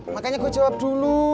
makanya gue jawab dulu